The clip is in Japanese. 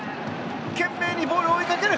懸命にボールを追いかける！